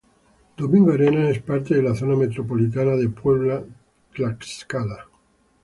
Domingo Arenas es parte de la Zona Metropolitana de Puebla-Tlaxcala.